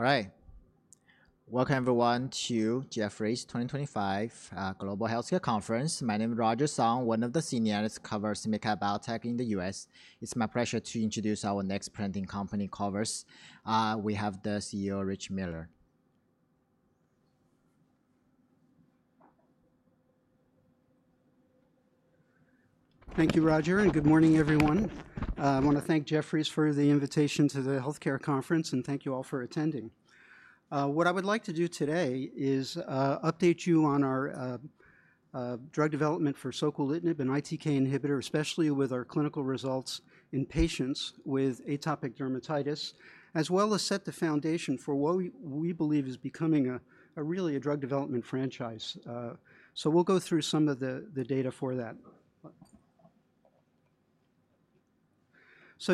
All right. Welcome, everyone, to Jefferies 2025 Global Healthcare Conference. My name is Roger Song, one of the senior analysts at Corvus Medical Biotech in the United States. It's my pleasure to introduce our next presenting company, Corvus. We have the CEO, Richard Miller. Thank you, Roger, and good morning, everyone. I want to thank Jefferies for the invitation to the healthcare conference, and thank you all for attending. What I would like to do today is update you on our drug development for Soquelitinib, an ITK inhibitor, especially with our clinical results in patients with atopic dermatitis, as well as set the foundation for what we believe is becoming really a drug development franchise. We will go through some of the data for that.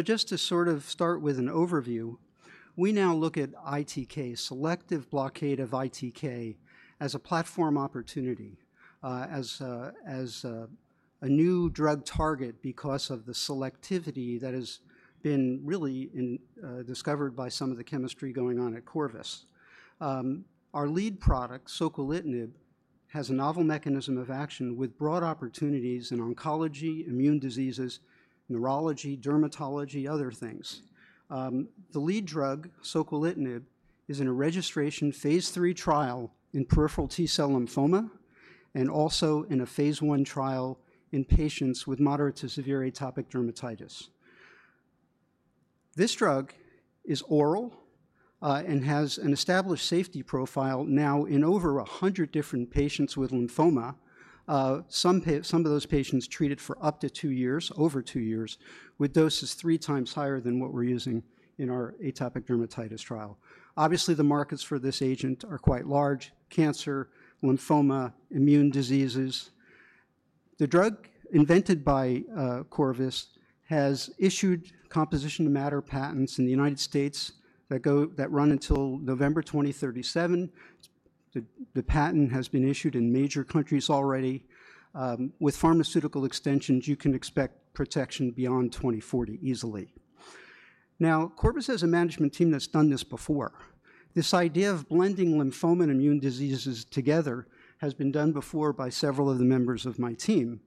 Just to start with an overview, we now look at ITK, selective blockade of ITK, as a platform opportunity, as a new drug target because of the selectivity that has been really discovered by some of the chemistry going on at Corvus. Our lead product, Soquelitinib, has a novel mechanism of action with broad opportunities in oncology, immune diseases, neurology, dermatology, and other things. The lead drug, Soquelitinib, is in a registration phase three trial in peripheral T-cell lymphoma and also in a phase one trial in patients with moderate to severe atopic dermatitis. This drug is oral and has an established safety profile now in over 100 different patients with lymphoma. Some of those patients treated for up to two years, over two years, with doses three times higher than what we're using in our atopic dermatitis trial. Obviously, the markets for this agent are quite large: cancer, lymphoma, immune diseases. The drug invented by Corvus has issued composition of matter patents in the United States that run until November 2037. The patent has been issued in major countries already. With pharmaceutical extensions, you can expect protection beyond 2040 easily. Now, Corvus has a management team that's done this before. This idea of blending lymphoma and immune diseases together has been done before by several of the members of my team.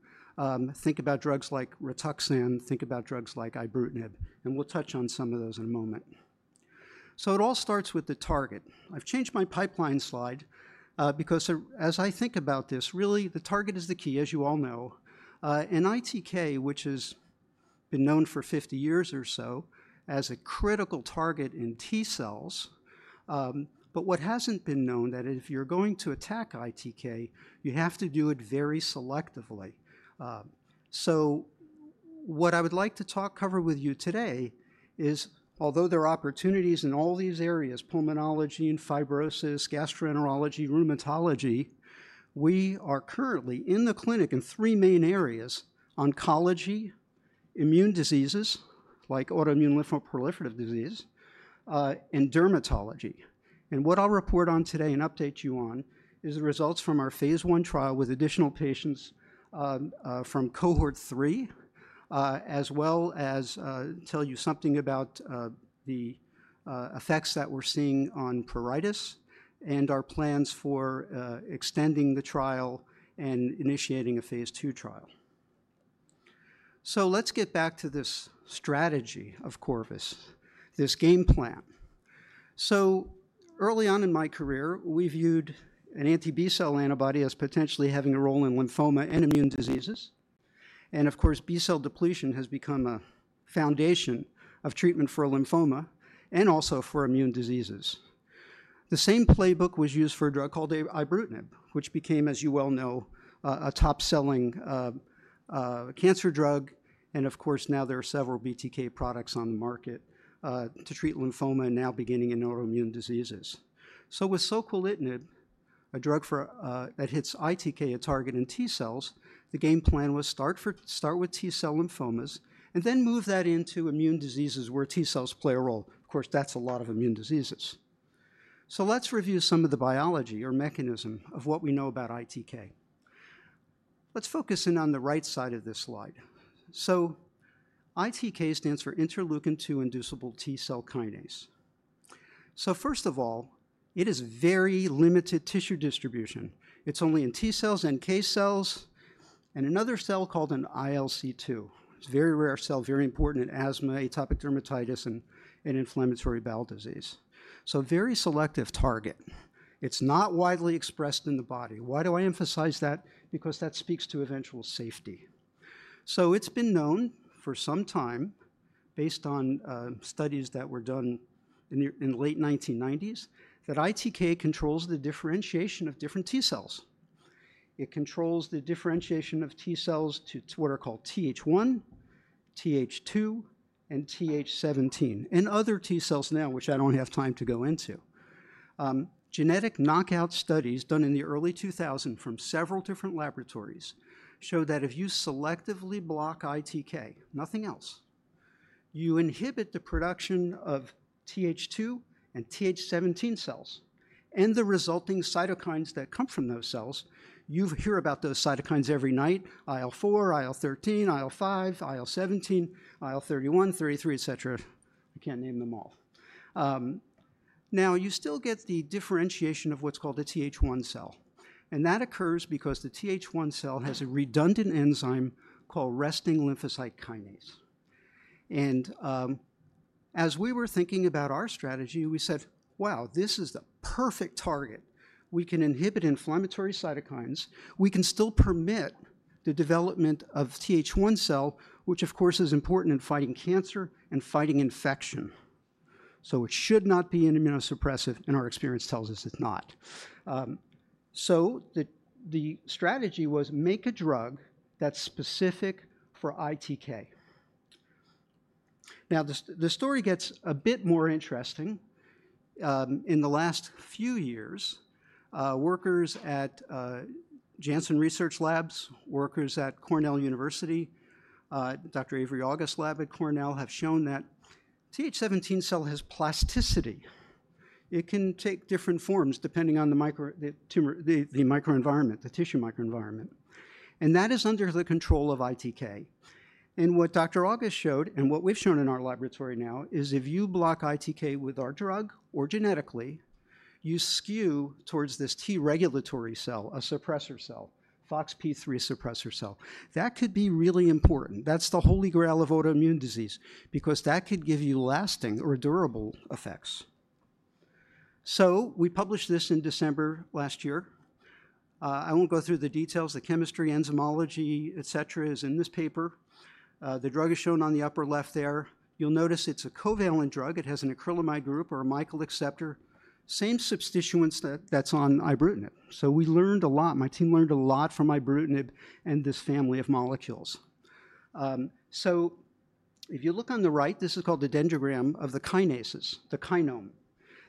Think about drugs like Rituxan, think about drugs like Ibrutinib, and we'll touch on some of those in a moment. It all starts with the target. I've changed my pipeline slide because as I think about this, really the target is the key, as you all know. ITK, which has been known for 50 years or so as a critical target in T-cells, but what hasn't been known is that if you're going to attack ITK, you have to do it very selectively. What I would like to cover with you today is, although there are opportunities in all these areas, pulmonology and fibrosis, gastroenterology, rheumatology, we are currently in the clinic in three main areas: oncology, immune diseases like autoimmune lymphoproliferative disease, and dermatology. What I'll report on today and update you on is the results from our phase one trial with additional patients from Cohort 3, as well as tell you something about the effects that we're seeing on Pruritus and our plans for extending the trial and initiating a phase two trial. Let's get back to this strategy of Corvus, this game plan. Early on in my career, we viewed an Anti-B Cell antibody as potentially having a role in lymphoma and immune diseases. Of course, B-Cell depletion has become a foundation of treatment for lymphoma and also for immune diseases. The same playbook was used for a drug called Ibrutinib, which became, as you well know, a top-selling cancer drug. Now there are several BTK products on the market to treat lymphoma and now beginning in autoimmune diseases. With soquelitinib, a drug that hits ITK, a target in T-cells, the game plan was start with T-cell lymphomas and then move that into immune diseases where T-cells play a role. Of course, that's a lot of immune diseases. Let's review some of the biology or mechanism of what we know about ITK. Let's focus in on the right side of this slide. ITK stands for interleukin-2-inducible T-cell kinase. First of all, it is very limited tissue distribution. It's only in T-cells, NK cells, and another cell called an ILC2. It's a very rare cell, very important in asthma, atopic dermatitis, and inflammatory bowel disease. Very selective target. It's not widely expressed in the body. Why do I emphasize that? Because that speaks to eventual safety. It has been known for some time, based on studies that were done in the late 1990s, that ITK controls the differentiation of different T-cells. It controls the differentiation of T-cells to what are called TH1, TH2, and TH17, and other T-cells now, which I do not have time to go into. Genetic knockout studies done in the early 2000s from several different laboratories show that if you selectively block ITK, nothing else, you inhibit the production of TH2 and TH17 cells and the resulting Cytokines that come from those cells. You hear about those Cytokines every night: IL-4, IL-13, IL-5, IL-17, IL-31, IL-33, et cetera. I cannot name them all. Now, you still get the differentiation of what is called a Th1 cell. That occurs because the Th1 cell has a redundant enzyme called resting lymphocyte kinase. As we were thinking about our strategy, we said, wow, this is the perfect target. We can inhibit inflammatory cytokines. We can still permit the development of Th1 cell, which of course is important in fighting cancer and fighting infection. It should not be an immunosuppressive, and our experience tells us it's not. The strategy was to make a drug that's specific for ITK. Now, the story gets a bit more interesting. In the last few years, workers at Janssen Research & Development, workers at Cornell University, Dr. Avery August's lab at Cornell have shown that TH17 cell has plasticity. It can take different forms depending on the microenvironment, the tissue microenvironment. That is under the control of ITK. In what Dr. August showed and what we've shown in our laboratory now is if you block ITK with our drug or genetically, you skew towards this T regulatory cell, a suppressor cell, FOXP3 suppressor cell. That could be really important. That's the holy grail of autoimmune disease because that could give you lasting or durable effects. We published this in December last year. I won't go through the details. The chemistry, enzymology, et cetera, is in this paper. The drug is shown on the upper left there. You'll notice it's a covalent drug. It has an acrylamide group or a mycotoceptor, same substituents that's on Ibrutinib. We learned a lot. My team learned a lot from Ibrutinib and this family of molecules. If you look on the right, this is called the dendrogram of the kinases, the kinome.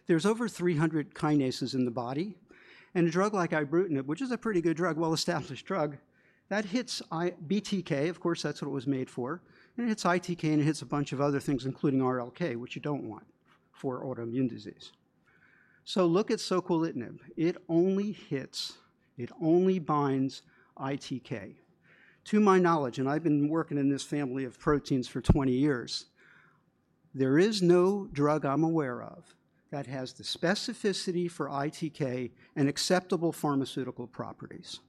There's over 300 kinases in the body. A drug like Ibrutinib, which is a pretty good drug, well-established drug, that hits BTK, of course, that's what it was made for, and it hits ITK and it hits a bunch of other things, including RLK, which you don't want for autoimmune disease. Look at soquelitinib. It only hits, it only binds ITK. To my knowledge, and I've been working in this family of proteins for 20 years, there is no drug I'm aware of that has the specificity for ITK and acceptable pharmaceutical properties.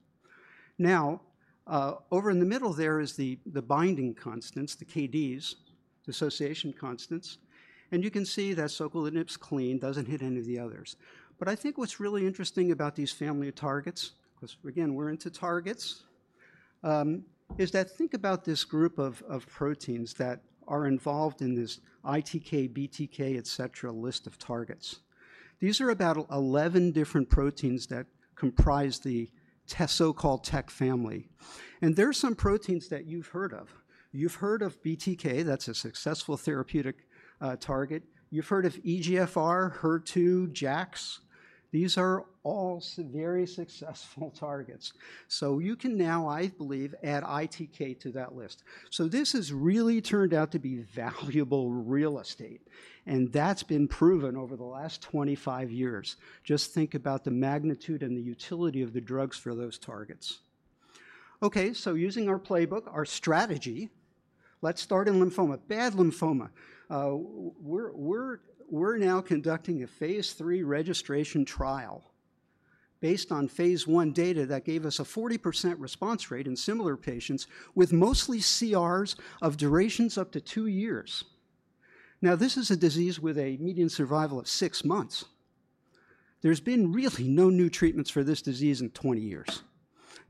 Over in the middle there is the binding constants, the KDs, the association constants. You can see that Soquelitinib's clean, doesn't hit any of the others. I think what's really interesting about these family of targets, because again, we're into targets, is that think about this group of proteins that are involved in this ITK, BTK, et cetera list of targets. These are about 11 different proteins that comprise the so-called TEC-family. There are some proteins that you've heard of. You've heard of BTK, that's a successful therapeutic target. You've heard of EGFR, HER2, JAKs. These are all very successful targets. You can now, I believe, add ITK to that list. This has really turned out to be valuable real estate. That's been proven over the last 25 years. Just think about the magnitude and the utility of the drugs for those targets. Okay, using our playbook, our strategy, let's start in lymphoma, bad lymphoma. We're now conducting a phase three registration trial based on phase one data that gave us a 40% response rate in similar patients with mostly CRs of durations up to two years. Now, this is a disease with a median survival of six months. There's been really no new treatments for this disease in 20 years.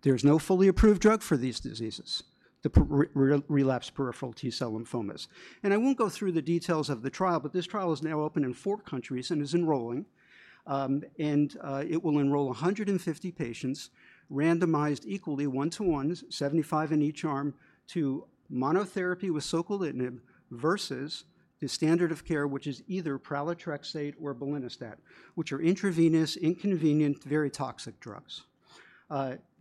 There's no fully approved drug for these diseases, the relapsed peripheral T-cell lymphomas. I won't go through the details of the trial, but this trial is now open in four countries and is enrolling. It will enroll 150 patients, randomized equally one-to-one, 75 in each arm, to monotherapy with Soquelitinib versus the standard of care, which is either pralatrexate or belinostat, which are intravenous, inconvenient, very toxic drugs.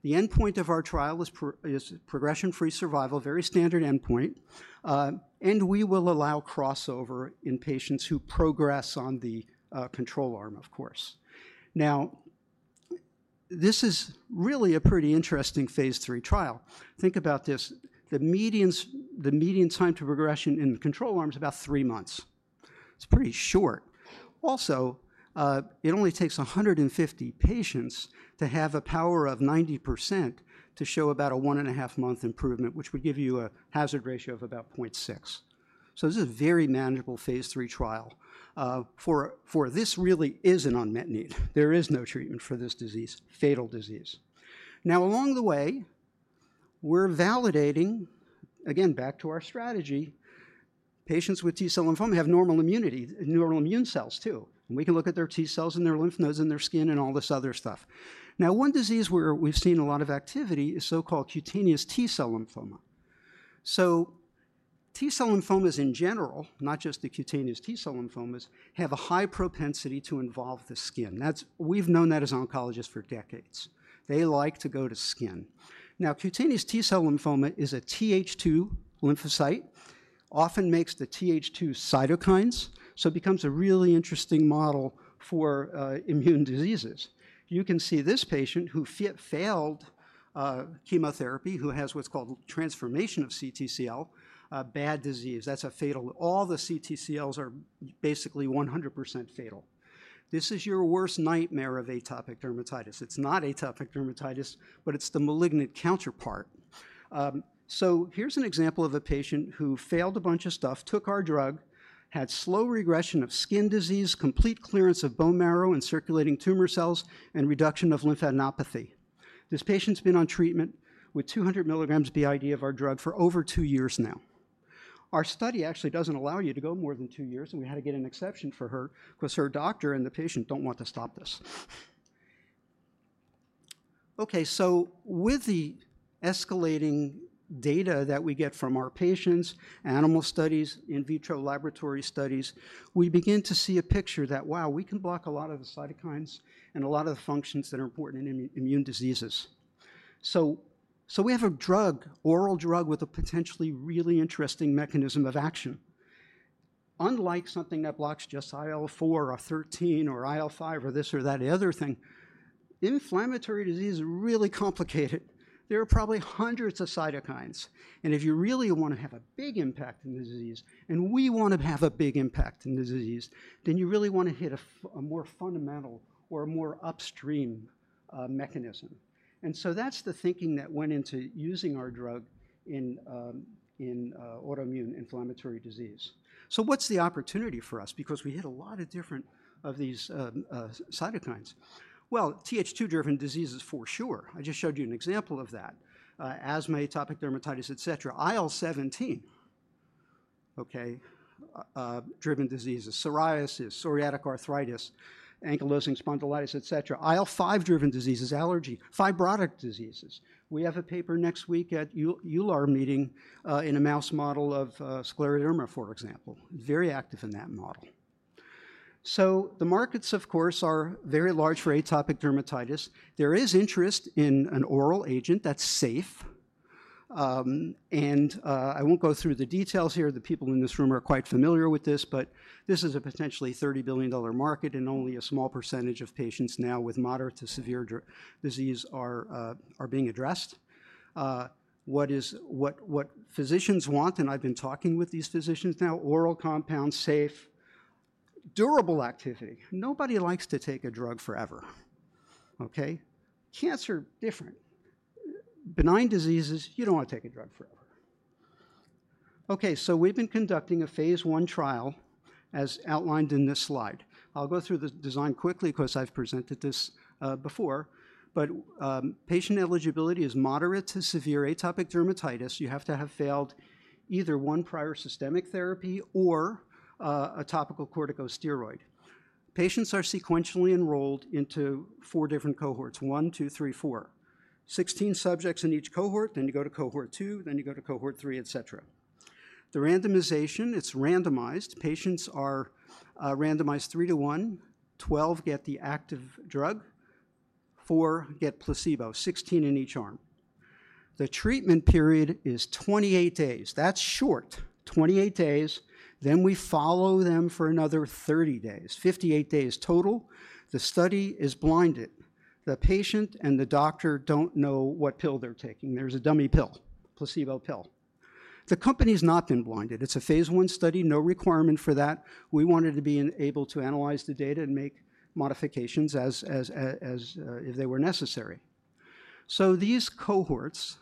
The endpoint of our trial is progression-free survival, very standard endpoint. We will allow crossover in patients who progress on the control arm, of course. This is really a pretty interesting phase three trial. Think about this. The median time to progression in the control arm is about three months. It's pretty short. Also, it only takes 150 patients to have a power of 90% to show about a one and a half month improvement, which would give you a hazard ratio of about 0.6. This is a very manageable phase three trial. For this really is an unmet need. There is no treatment for this disease, fatal disease. Along the way, we're validating, again, back to our strategy, patients with T-cell lymphoma have normal immunity, normal immune cells too. We can look at their T-cells and their lymph nodes and their skin and all this other stuff. Now, one disease where we've seen a lot of activity is so-called cutaneous T-cell lymphoma. T-cell lymphomas in general, not just the cutaneous T-cell lymphomas, have a high propensity to involve the skin. We've known that as oncologists for decades. They like to go to skin. Now, cutaneous T-cell lymphoma is a TH2 lymphocyte, often makes the TH2 cytokines, so it becomes a really interesting model for immune diseases. You can see this patient who failed chemotherapy, who has what's called transformation of CTCL, bad disease. That's fatal. All the CTCLs are basically 100% fatal. This is your worst nightmare of atopic dermatitis. It's not atopic dermatitis, but it's the malignant counterpart. Here's an example of a patient who failed a bunch of stuff, took our drug, had slow regression of skin disease, complete clearance of bone marrow and circulating tumor cells, and reduction of lymphadenopathy. This patient's been on treatment with 200 milligrams b.i.d. of our drug for over two years now. Our study actually doesn't allow you to go more than two years, and we had to get an exception for her because her doctor and the patient don't want to stop this. Okay, with the escalating data that we get from our patients, animal studies, in vitro laboratory studies, we begin to see a picture that, wow, we can block a lot of the cytokines and a lot of the functions that are important in immune diseases. We have a drug, oral drug with a potentially really interesting mechanism of action. Unlike something that blocks just IL-4 or 13 or IL-5 or this or that other thing, inflammatory disease is really complicated. There are probably hundreds of cytokines. If you really want to have a big impact in the disease, and we want to have a big impact in the disease, then you really want to hit a more fundamental or a more upstream mechanism. That's the thinking that went into using our drug in autoimmune inflammatory disease. What's the opportunity for us? Because we hit a lot of different of these cytokines. TH2-driven diseases for sure. I just showed you an example of that. Asthma, atopic dermatitis, et cetera. IL-17, okay, driven diseases. Psoriasis, psoriatic arthritis, ankylosing spondylitis, et cetera. IL-5-driven diseases, allergy, fibrotic diseases. We have a paper next week at Euler meeting in a mouse model of scleroderma, for example. Very active in that model. The markets, of course, are very large for atopic dermatitis. There is interest in an oral agent that's safe. I will not go through the details here. The people in this room are quite familiar with this, but this is a potentially $30 billion market, and only a small percentage of patients now with moderate to severe disease are being addressed. What physicians want, and I have been talking with these physicians now, oral compounds, safe, durable activity. Nobody likes to take a drug forever, okay? Cancer, different. Benign diseases, you do not want to take a drug forever. Okay, we have been conducting a phase one trial as outlined in this slide. I will go through the design quickly because I have presented this before. Patient eligibility is moderate to severe atopic dermatitis. You have to have failed either one prior systemic therapy or a topical corticosteroid. Patients are sequentially enrolled into four different cohorts, one, two, three, four. Sixteen subjects in each cohort, then you go to cohort two, then you go to cohort three, et cetera. The randomization, it's randomized. Patients are randomized three to one. Twelve get the active drug. Four get placebo. Sixteen in each arm. The treatment period is 28 days. That's short. Twenty-eight days. Then we follow them for another 30 days. Fifty-eight days total. The study is blinded. The patient and the doctor don't know what pill they're taking. There's a dummy pill, placebo pill. The company's not been blinded. It's a phase I study, no requirement for that. We wanted to be able to analyze the data and make modifications as if they were necessary. These cohorts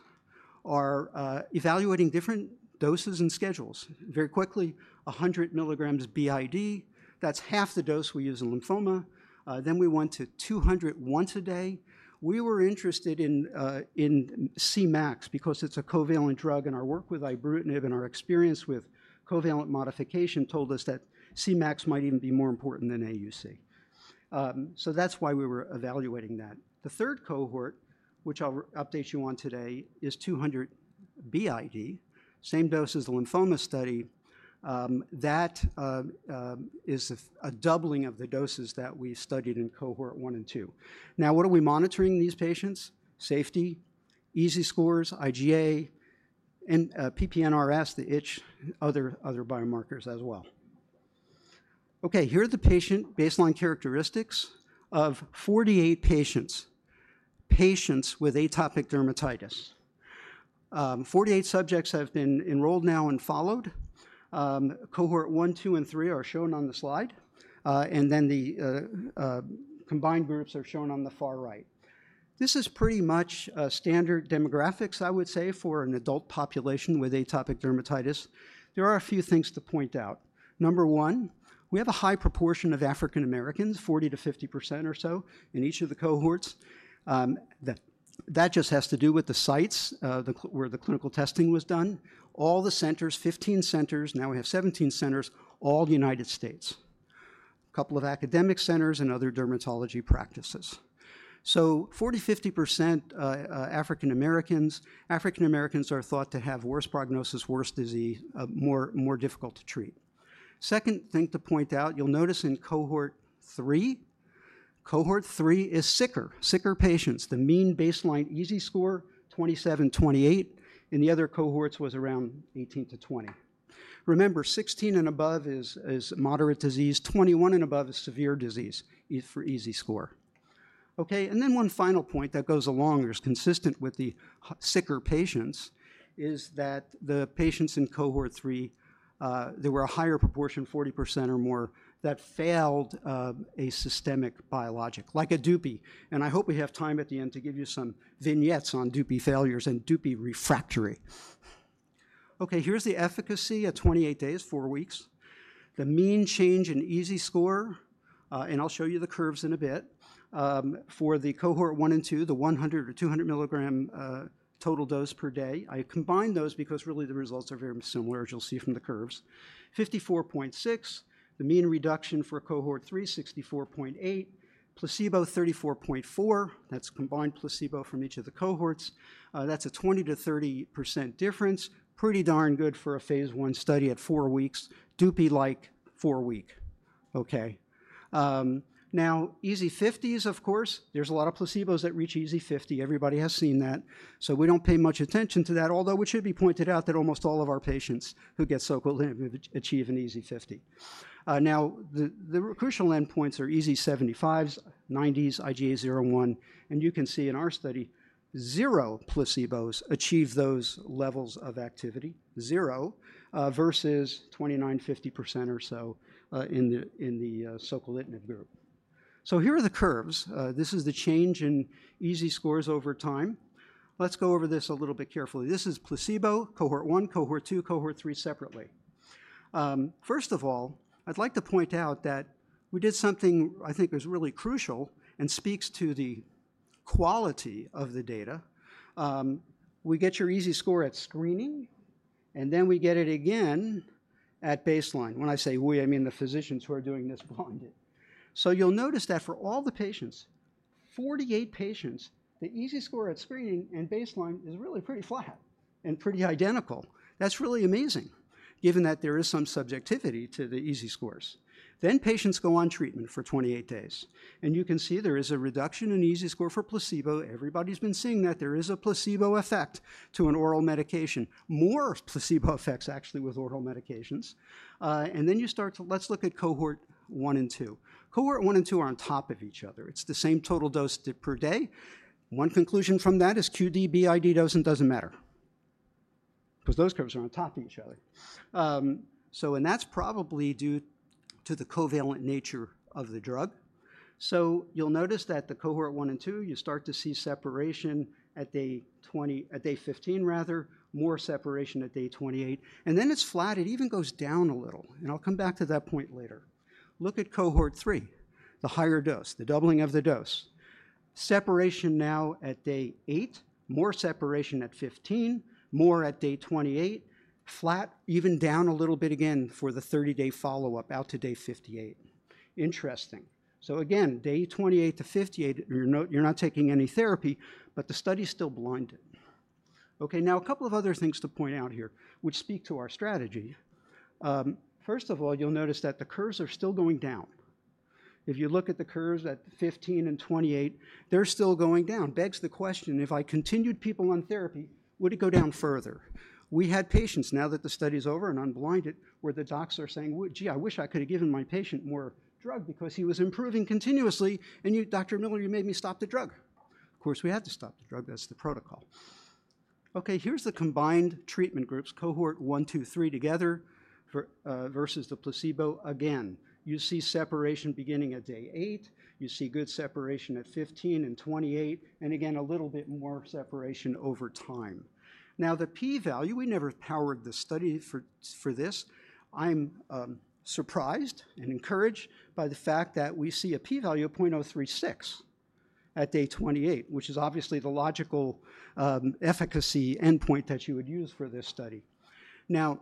are evaluating different doses and schedules. Very quickly, 100 milligrams b.i.d. That's half the dose we use in lymphoma. Then we went to 200 once a day. We were interested in Cmax because it's a covalent drug, and our work with Ibrutinib and our experience with covalent modification told us that Cmax might even be more important than AUC. That is why we were evaluating that. The third cohort, which I'll update you on today, is 200 b.i.d., same dose as the lymphoma study. That is a doubling of the doses that we studied in cohort one and two. Now, what are we monitoring in these patients? Safety, EASI scores, IGA, and PP-NRS, the itch, other biomarkers as well. Here are the patient baseline characteristics of 48 patients, patients with atopic dermatitis. Forty-eight subjects have been enrolled now and followed. Cohort one, two, and three are shown on the slide. The combined groups are shown on the far right. This is pretty much standard demographics, I would say, for an adult population with atopic dermatitis. There are a few things to point out. Number one, we have a high proportion of African Americans, 40-50% or so in each of the cohorts. That just has to do with the sites where the clinical testing was done. All the centers, 15 centers, now we have 17 centers, all United States. A couple of academic centers and other dermatology practices. 40-50% African Americans. African Americans are thought to have worse prognosis, worse disease, more difficult to treat. Second thing to point out, you'll notice in cohort three, Cohort 3 is sicker, sicker patients. The mean baseline EASI score, 27-28. In the other cohorts, it was around 18-20. Remember, 16 and above is moderate disease. 21 and above is severe disease for EASI score. Okay, and then one final point that goes along, is consistent with the sicker patients, is that the patients in Cohort 3, there were a higher proportion, 40% or more, that failed a systemic biologic, like a DUPE. And I hope we have time at the end to give you some vignettes on DUPE failures and DUPE refractory. Okay, here's the efficacy at 28 days, four weeks. The mean change in EASI score, and I'll show you the curves in a bit, for the cohort one and two, the 100 or 200 milligram total dose per day. I combined those because really the results are very similar, as you'll see from the curves. 54.6, the mean reduction for Cohort 3, 64.8. Placebo, 34.4, that's combined placebo from each of the Cohorts. That's a 20-30% difference. Pretty darn good for a phase one study at four weeks, Dupixent-like four week. Okay. Now, EASI 50s, of course. There is a lot of placebos that reach EASI 50. Everybody has seen that. We do not pay much attention to that, although it should be pointed out that almost all of our patients who get Soquelitinib achieve an EASI 50. Now, the crucial endpoints are EASI 75s, 90s, IGA 0/1. You can see in our study, zero placebos achieve those levels of activity, zero, versus 29%, 50% or so in the soquelitinib group. Here are the curves. This is the change in EASI scores over time. Let us go over this a little bit carefully. This is placebo, cohort one, cohort two, cohort three separately. First of all, I'd like to point out that we did something I think is really crucial and speaks to the quality of the data. We get your EASI score at screening, and then we get it again at baseline. When I say we, I mean the physicians who are doing this blinded. You'll notice that for all the patients, 48 patients, the EASI score at screening and baseline is really pretty flat and pretty identical. That's really amazing, given that there is some subjectivity to the EASI scores. Patients go on treatment for 28 days. You can see there is a reduction in EASI score for placebo. Everybody's been seeing that there is a placebo effect to an oral medication. More placebo effects, actually, with oral medications. You start to, let's look at Cohort 1 and 2. Cohort 1 and 2 are on top of each other. It's the same total dose per day. One conclusion from that is QD, BID dose and doesn't matter. Because those curves are on top of each other. That's probably due to the covalent nature of the drug. You'll notice that the Cohort 1 and 2, you start to see separation at day 20, at day 15, rather, more separation at day 28. Then it's flat. It even goes down a little. I'll come back to that point later. Look at cohort three, the higher dose, the doubling of the dose. Separation now at day eight, more separation at 15, more at day 28, flat, even down a little bit again for the 30-day follow-up out to day 58. Interesting. Again, day 28 to 58, you're not taking any therapy, but the study is still blinded. Okay, now a couple of other things to point out here, which speak to our strategy. First of all, you'll notice that the curves are still going down. If you look at the curves at 15 and 28, they're still going down. Begs the question, if I continued people on therapy, would it go down further? We had patients, now that the study is over and unblinded, where the docs are saying, "Gee, I wish I could have given my patient more drug because he was improving continuously, and you, Dr. Miller, you made me stop the drug." Of course, we had to stop the drug. That's the protocol. Okay, here's the combined treatment groups, Cohort 1, 2 3 together versus the placebo. Again, you see separation beginning at day eight. You see good separation at 15 and 28. Again, a little bit more separation over time. Now, the p-value, we never powered the study for this. I'm surprised and encouraged by the fact that we see a p-value of 0.036 at day 28, which is obviously the logical efficacy endpoint that you would use for this study. Now,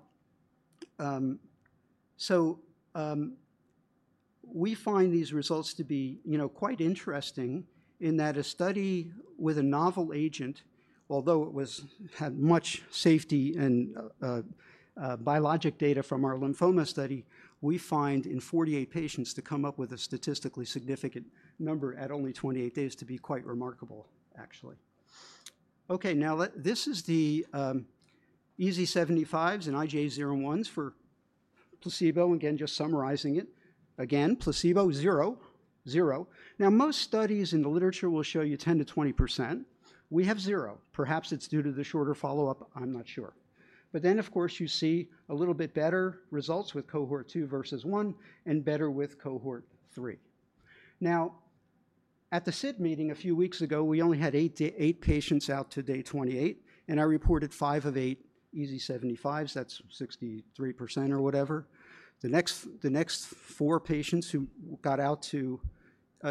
we find these results to be quite interesting in that a study with a novel agent, although it had much safety and biologic data from our lymphoma study, we find in 48 patients to come up with a statistically significant number at only 28 days to be quite remarkable, actually. Okay, now this is the EASI 75s and IGA 0/1s for placebo. Again, just summarizing it. Again, placebo, zero, zero. Most studies in the literature will show you 10-20%. We have zero. Perhaps it's due to the shorter follow-up. I'm not sure. Of course, you see a little bit better results with Cohort 2 versus 1 and better with Cohort 3. At the SID meeting a few weeks ago, we only had eight patients out to day 28. I reported five of eight EASI 75s. That's 63% or whatever. The next four patients who got out to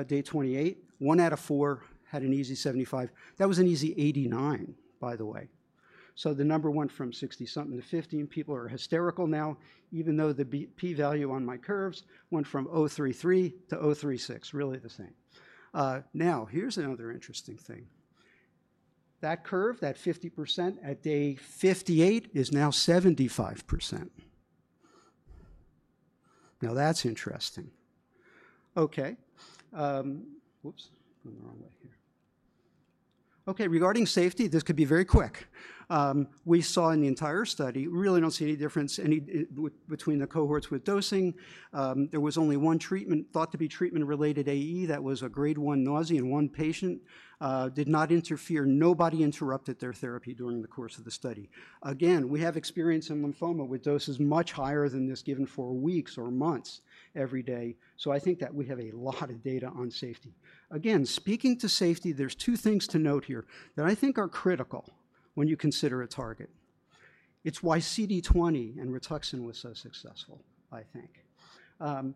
day 28, one out of four had an EASI 75. That was an EASI 89, by the way. The number went from 60-something to 50. People are hysterical now, even though the p-value on my curves went from 0.33 to 0.36, really the same. Here's another interesting thing. That curve, that 50% at day 58 is now 75%. That's interesting. Okay. Whoops, went the wrong way here. Okay, regarding safety, this could be very quick. We saw in the entire study, we really do not see any difference between the cohorts with dosing. There was only one treatment, thought to be treatment-related AE, that was a grade one nausea in one patient. Did not interfere. Nobody interrupted their therapy during the course of the study. Again, we have experience in lymphoma with doses much higher than this given for weeks or months every day. I think that we have a lot of data on safety. Again, speaking to safety, there are two things to note here that I think are critical when you consider a target. It is why CD20 and Rituxan were so successful, I think.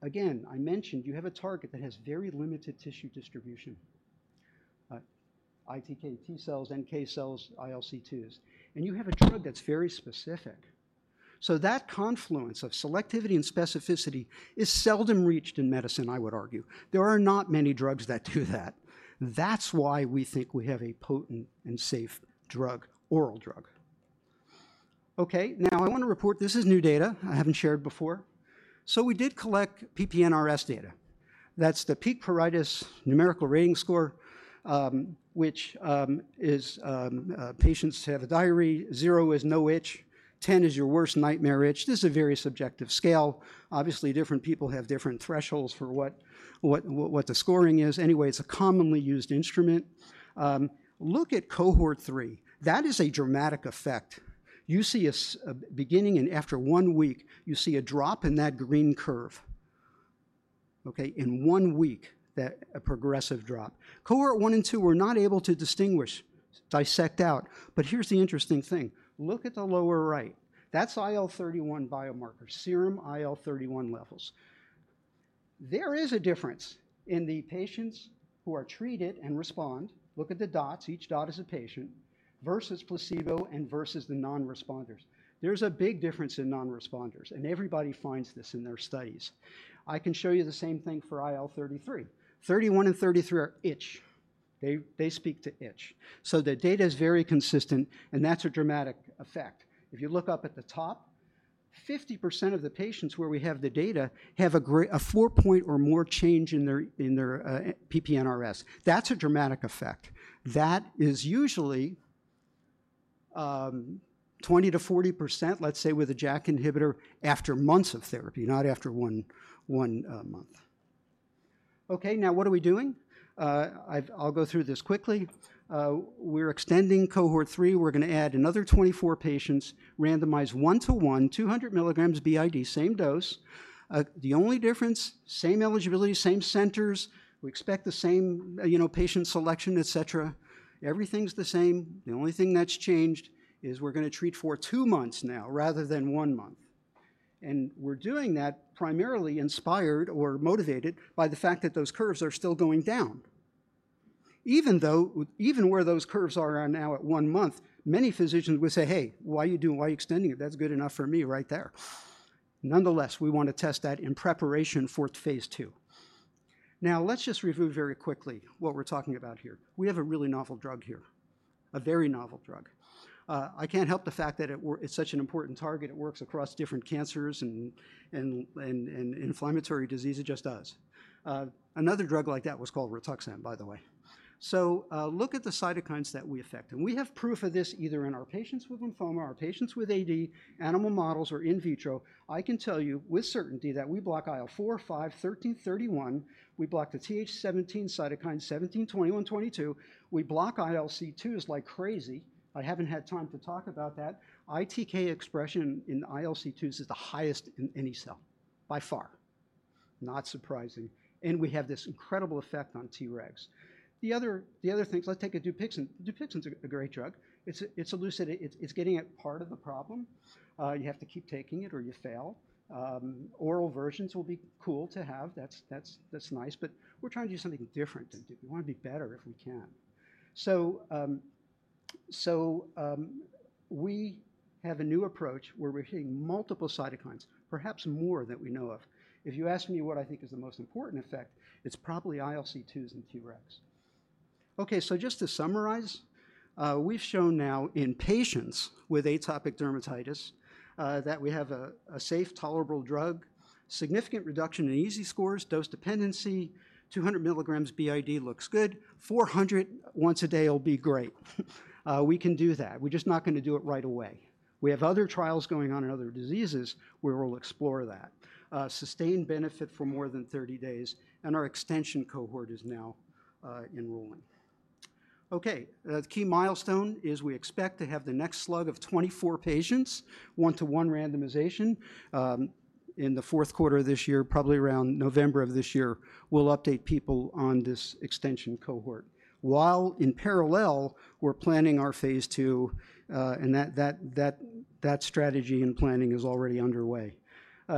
Again I mentioned you have a target that has very limited tissue distribution, ITK T-cells, NK cells, ILC2s. You have a drug that is very specific. That confluence of selectivity and specificity is seldom reached in medicine, I would argue. There are not many drugs that do that. That is why we think we have a potent and safe drug, oral drug. Okay, now I want to report, this is new data I have not shared before. We did collect PP-NRS data. That is the Peak Pruritus Numerical Rating Scale, which is patients have a diary. Zero is no itch. Ten is your worst nightmare itch. This is a very subjective scale. Obviously, different people have different thresholds for what the scoring is. Anyway, it is a commonly used instrument. Look at Cohort 3 That is a dramatic effect. You see a beginning and after one week, you see a drop in that green curve. In one week, that progressive drop. Cohort 1 and 2 were not able to distinguish, dissect out. Here is the interesting thing. Look at the lower right. That's IL31 biomarkers, serum IL31 levels. There is a difference in the patients who are treated and respond. Look at the dots. Each dot is a patient versus placebo and versus the non-responders. There is a big difference in non-responders. Everybody finds this in their studies. I can show you the same thing for IL33. 31 and 33 are itch. They speak to itch. The data is very consistent. That is a dramatic effect. If you look up at the top, 50% of the patients where we have the data have a four-point or more change in their PP-NRS. That is a dramatic effect. That is usually 20-40%, let's say with a JAK inhibitor after months of therapy, not after one month. Okay, now what are we doing? I'll go through this quickly. We're extending cohort three. We're going to add another 24 patients, randomize one to one, 200 milligrams b.i.d., same dose. The only difference, same eligibility, same centers. We expect the same patient selection, etc. Everything's the same. The only thing that's changed is we're going to treat for two months now rather than one month. We are doing that primarily inspired or motivated by the fact that those curves are still going down. Even where those curves are now at one month, many physicians would say, "Hey, why are you extending it? That's good enough for me right there." Nonetheless, we want to test that in preparation for phase two. Now, let's just review very quickly what we're talking about here. We have a really novel drug here, a very novel drug. I can't help the fact that it's such an important target. It works across different cancers and inflammatory disease. It just does. Another drug like that was called Rituxan, by the way. Look at the cytokines that we affect. We have proof of this either in our patients with lymphoma, our patients with AD, animal models, or in vitro. I can tell you with certainty that we block IL-4, 5, 13, 31. We block the TH17 cytokine, 17, 21, 22. We block ILC2s like crazy. I haven't had time to talk about that. ITK expression in ILC2s is the highest in any cell, by far. Not surprising. We have this incredible effect on Tregs. The other things, let's take a Dupixent. Dupixent's a great drug. It's elucidated. It's getting at part of the problem. You have to keep taking it or you fail. Oral versions will be cool to have. That's nice. We are trying to do something different. We want to be better if we can. We have a new approach where we are hitting multiple cytokines, perhaps more than we know of. If you ask me what I think is the most important effect, it is probably ILC2s and Tregs. Okay, just to summarize, we have shown now in patients with atopic dermatitis that we have a safe, tolerable drug, significant reduction in EASI scores, dose dependency. 200 milligrams b.i.d. looks good. 400 once a day will be great. We can do that. We are just not going to do it right away. We have other trials going on in other diseases where we will explore that. Sustained benefit for more than 30 days. Our extension cohort is now enrolling. Okay, the key milestone is we expect to have the next slug of 24 patients, one-to-one randomization in the fourth quarter of this year, probably around November of this year. We'll update people on this extension cohort. While in parallel, we're planning our phase two. And that strategy and planning is already underway.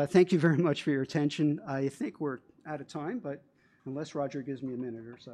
Thank you very much for your attention. I think we're out of time, but unless Roger gives me a minute or.